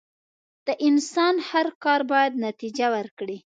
د انسان هر کار بايد نتیجه ورکړي.